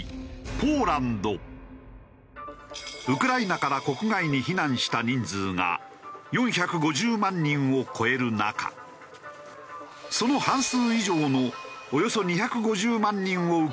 ウクライナから国外に避難した人数が４５０万人を超える中その半数以上のおよそ２５０万人を受け入れているポーランド。